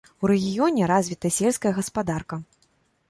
У рэгіёне развіта сельская гаспадарка.